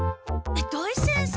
土井先生！